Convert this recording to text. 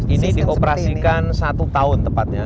ini dioperasikan satu tahun tepatnya